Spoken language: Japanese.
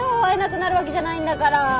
会えなくなるわけじゃないんだから。